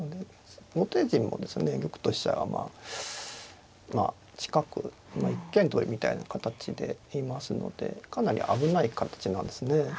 後手陣も玉と飛車はまあ近く一間トビみたいな形でいますのでかなり危ない形なんですね。